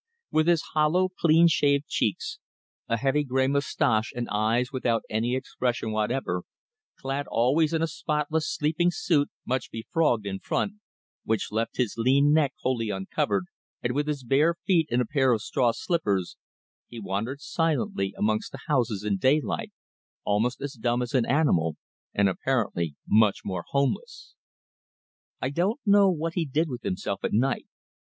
With his hollow, clean shaved cheeks, a heavy grey moustache and eyes without any expression whatever, clad always in a spotless sleeping suit much be frogged in front, which left his lean neck wholly uncovered, and with his bare feet in a pair of straw slippers, he wandered silently amongst the houses in daylight, almost as dumb as an animal and apparently much more homeless. I don't know what he did with himself at night.